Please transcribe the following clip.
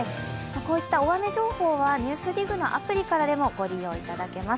こういった大雨情報は「ＮＥＷＳＤＩＧ」のアプリからでもご利用いただけます。